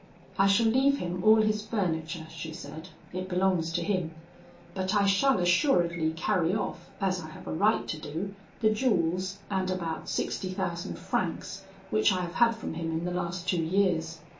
'I shall leave him all his furniture,' she said; 'it belongs to him: but I shall assuredly carry off, as I have a right to do, the jewels, and about sixty thousand francs, which I have had from him in the last two years.